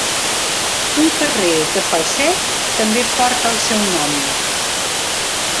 Un carrer de Falset també porta el seu nom.